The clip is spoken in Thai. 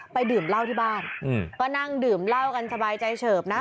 ดื่มเหล้าที่บ้านก็นั่งดื่มเหล้ากันสบายใจเฉิบนะ